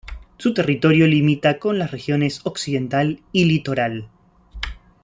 Su territorio limita con las regiones Occidental y Litoral.